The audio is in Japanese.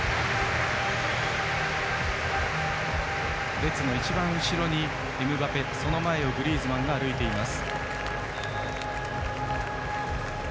列の一番後ろにエムバペその前をグリーズマンが歩いています。